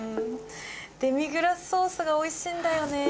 デミグラスソースがおいしいんだよねぇ。